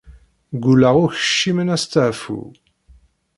Ggulleɣ ur kcimen asteɛfu-w.